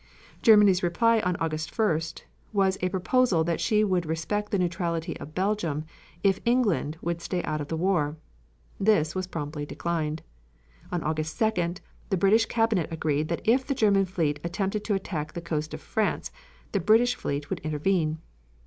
Germany's reply on August 1st was a proposal that she would respect the neutrality of Belgium if England would stay out of the war. This was promptly declined. On August 2d the British cabinet agreed that if the German fleet attempted to attack the coast of France the British fleet would intervene.